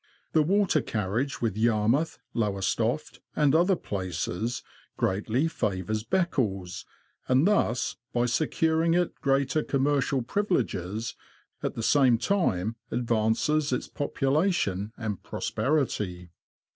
The water carriage with Yarmouth, Lowes toft, and other places, greatly favours Beccles, and thus, by securing it greater commercial privileges, at the same time advances its population and prosperity.